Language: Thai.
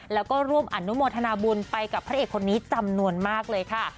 แล้วก็ร่วมอนุโมทนาบุญไปกับพระเอกคนนี้จำนวนมากเลยค่ะ